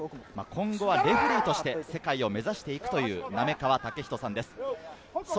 今後はレフェリーとして世界を目指していくという滑川剛人さんです。